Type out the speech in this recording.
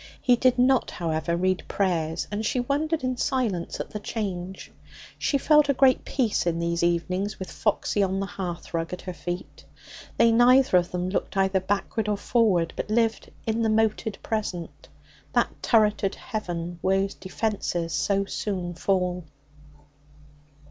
He did not, however, read prayers, and she wondered in silence at the change. She felt a great peace in these evenings, with Foxy on the hearthrug at her feet. They neither of them looked either backward or forward, but lived in the moated present, that turreted heaven whose defences so soon fall.